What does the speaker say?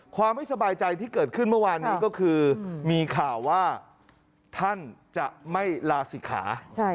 ความไม่สบายใจที่เกิดขึ้นเมื่อวานนี้ก็คือมีข่าวว่าท่านจะไม่ลาศิกขา